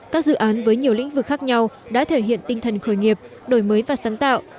các dự án với nhiều lĩnh vực khác nhau đã thể hiện tinh thần khởi nghiệp đổi mới và sáng tạo